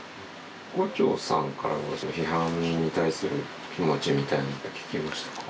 牛腸さんからはその批判に対する気持ちみたいなのって聞きましたか？